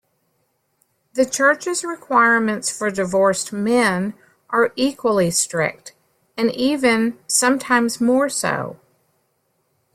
The church's requirements for divorced men are equally strict, and even sometimes more so.